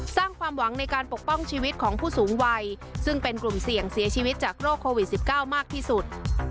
สร้างความหวังในการปกป้องชีวิตของผู้สูงวัยซึ่งเป็นกลุ่มเสี่ยงเสียชีวิตจากโรคโควิด๑๙มากที่สุด